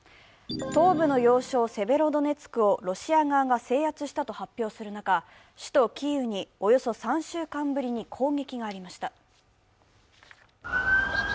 東部の要衝セベロドネツクをロシア側が制圧したと発表する中、首都キーウに、およそ３週間ぶりに攻撃がありました。